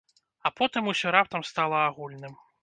А потым усё раптам стала агульным.